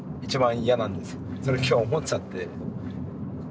それ今日思っちゃって。